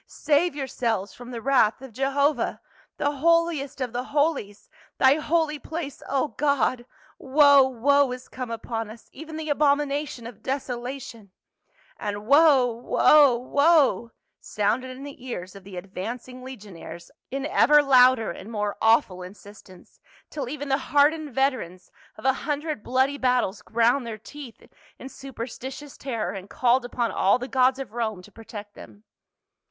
" Save yourselves from the wrath of Jehovah !— The Holiest of the Holies !— Thy Holy Place, oh God !— Woe, woe is come upon us — even the abomination of desolation !" And "Woe ! Woe ! Woe !" sounded in the ears of the advancing legionaries in ever louder and more awful insistence, till even the hardened veterans of a 174 PA UL. hundred bloody battles ground their teeth in super stitious terror, and called upon all the gods of Rome to protect them.